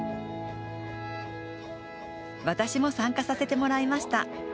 私も参加させてもらいました。